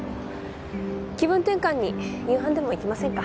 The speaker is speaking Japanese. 気分転換に夕飯でも行きませんか？